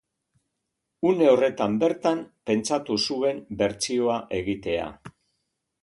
Une horretan bertan pentsatu zuen bertsioa egitea.